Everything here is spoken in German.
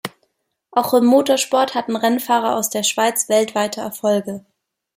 Auch im Motorsport hatten Rennfahrer aus der Schweiz weltweite Erfolge.